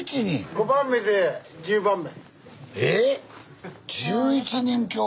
５番目で１０番目。